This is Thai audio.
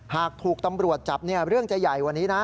หากถูกตำรวจจับเรื่องจะใหญ่กว่านี้นะ